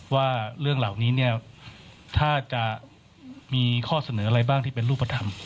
ว่าเรื่องเหล่านี้เนี่ยถ้าจะมีข้อเสนออะไรบ้างที่เป็นรูปธรรม